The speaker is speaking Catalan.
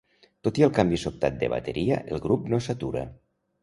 Tot i el canvi sobtat de bateria el grup no s'atura.